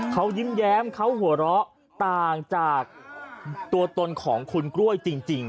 เขายิ้มแย้มเขาหัวเราะต่างจากตัวตนของคุณกล้วยจริง